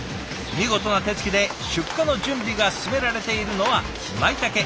見事な手つきで出荷の準備が進められているのはまいたけ。